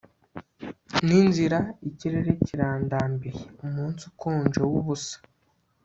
ninzira ikirere kirandambiye. umunsi ukonje, wubusa